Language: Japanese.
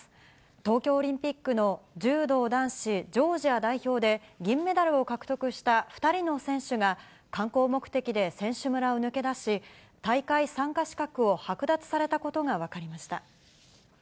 東京オリンピックの柔道男子ジョージア代表で、銀メダルを獲得した２人の選手が、観光目的で選手村を抜け出し、大会参加資格を剥奪されたことが分かりました。